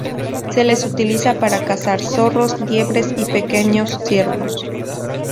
Se les utiliza para cazar zorros, liebres y pequeños ciervos.